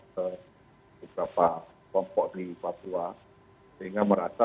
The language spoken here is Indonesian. beberapa kompok di papua